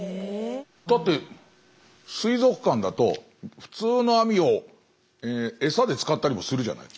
だって水族館だと普通のアミを餌で使ったりもするじゃない。